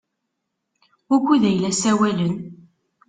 Wukud ay la ssawalen?